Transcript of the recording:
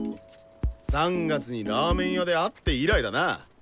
３月にラーメン屋で会って以来だな！